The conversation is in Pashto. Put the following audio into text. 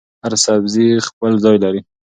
هر سبزي خپل ځای لري.